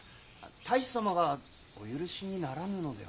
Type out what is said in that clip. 太守様がお許しにならぬのでは？